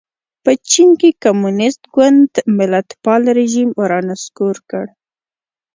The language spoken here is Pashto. په چین کې کمونېست ګوند ملتپال رژیم را نسکور کړ.